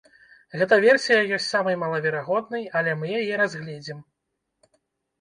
Гэта версія ёсць самай малаверагоднай, але мы яе разгледзім.